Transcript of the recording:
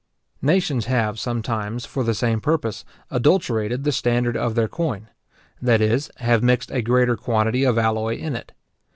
Nations have sometimes, for the same purpose, adulterated the standard of their coin; that is, have mixed a greater quantity of alloy in it.